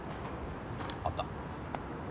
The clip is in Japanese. あった。